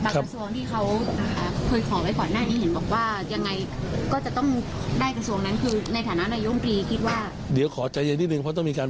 อย่างพระราชาณัทอย่างนี้อย่างตรงกระทรวงที่เค้า